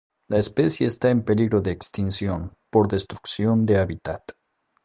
La especie está en peligro de extinción por destrucción de hábitat.